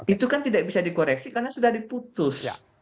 itu kan tidak bisa dikoreksi karena sudah diputus